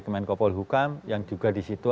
kemenkopol hukam yang juga di situ